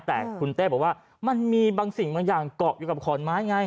แต่คุณเต้บอกว่ามันมีบางสิ่งบางอย่างเกาะอยู่กับขอนไม้ไง